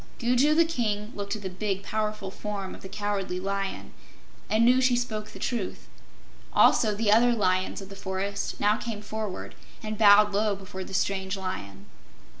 Gugu the King looked at the big, powerful form of the Cowardly Lion, and knew she spoke the truth. Also the other Lions of the forest now came forward and bowed low before the strange Lion.